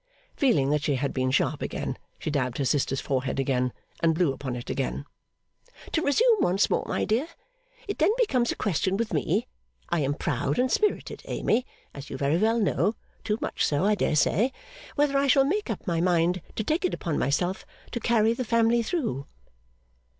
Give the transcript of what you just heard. Feeling that she had been sharp again, she dabbed her sister's forehead again, and blew upon it again. 'To resume once more, my dear. It then becomes a question with me (I am proud and spirited, Amy, as you very well know: too much so, I dare say) whether I shall make up my mind to take it upon myself to carry the family through.